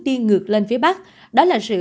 đi ngược lên phía bắc đó là sự